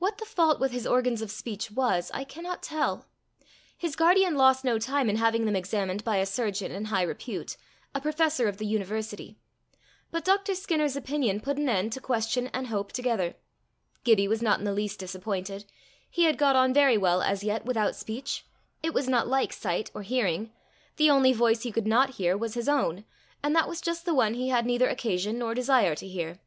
What the fault with his organs of speech was, I cannot tell. His guardian lost no time in having them examined by a surgeon in high repute, a professor of the university, but Dr. Skinner's opinion put an end to question and hope together. Gibbie was not in the least disappointed. He had got on very well as yet without speech. It was not like sight or hearing. The only voice he could not hear was his own, and that was just the one he had neither occasion nor desire to hear.